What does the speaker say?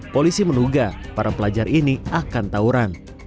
polisi menduga para pelajar ini akan tawuran